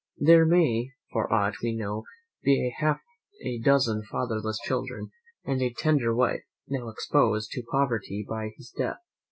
There may, for aught we know, be half a dozen fatherless children and a tender wife, now exposed to poverty by his death.